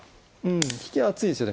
引きは厚いですよね